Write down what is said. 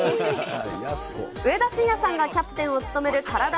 上田晋也さんがキャプテンを務めるカラダ